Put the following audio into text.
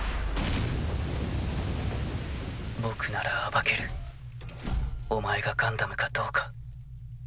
僕なら暴けるお前がガンダムかどうか。